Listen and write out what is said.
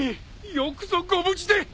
よくぞご無事で。